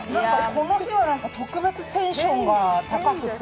この日はなんか、特別テンションが高くて。